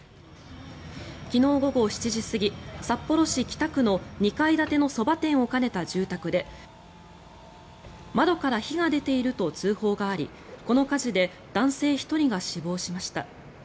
昨日午後７時過ぎ札幌市北区の２階建てのそば店を兼ねた住宅で窓から火が出ていると通報がありこの火事で男性１人が死亡しました。